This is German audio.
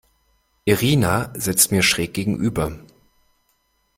Irina sitzt mir schräg gegenüber.